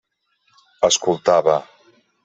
Escoltava.